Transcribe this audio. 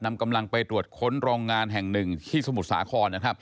นำกำลังไปตรวจค้นโรงงานแห่งหนึ่งที่สมุทรสาครนะครับ